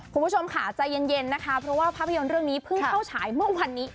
คุณผู้ชมค่ะใจเย็นนะคะเพราะว่าภาพยนตร์เรื่องนี้เพิ่งเข้าฉายเมื่อวันนี้